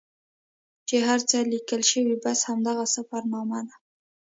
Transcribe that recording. چې هر څه لیکل سوي بس همدغه سفرنامه ده.